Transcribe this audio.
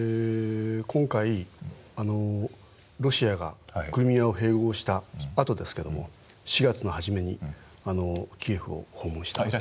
今回ロシアがクリミアを併合したあとですけども４月の初めにキエフを訪問した。